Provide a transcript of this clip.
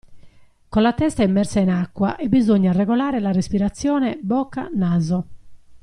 Con la testa immersa in acqua e bisogna regolare la respirazione (bocca-naso).